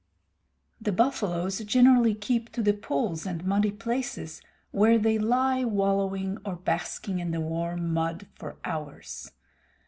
The buffaloes generally keep to the pools and muddy places, where they lie wallowing or basking in the warm mud for hours.